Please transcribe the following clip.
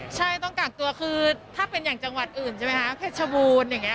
ใช่ต้องกากตัวคือถ้าเป็นอย่างจังหวัดอื่นใช่ไหมคะเพชรบูรณ์อย่างนี้